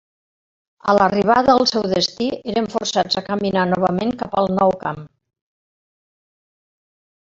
A l'arribada al seu destí, eren forçats a caminar novament cap al nou camp.